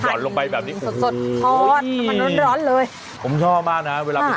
ยอดลงไปแบบนี้